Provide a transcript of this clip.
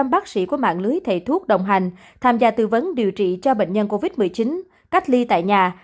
một mươi bác sĩ của mạng lưới thầy thuốc đồng hành tham gia tư vấn điều trị cho bệnh nhân covid một mươi chín cách ly tại nhà